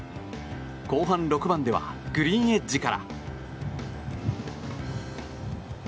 後半６番ではグリーンエッジから。